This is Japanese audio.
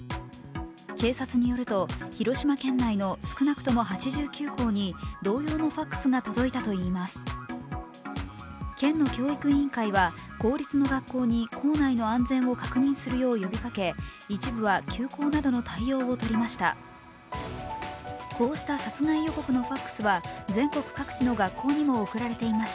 警察によると、広島県内の少なくとも８９校に同様のファクスが届いたといいます。